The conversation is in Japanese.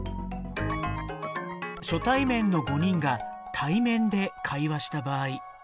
初対面の５人が対面で会話した場合。